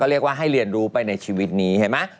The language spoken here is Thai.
เรียกว่าให้เรียนรู้ไปในชีวิตนี้เห็นไหม